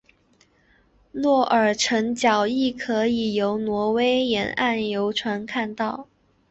诺尔辰角亦可以由挪威沿岸游船看到。